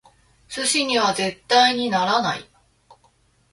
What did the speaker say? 寿司には絶対にならない！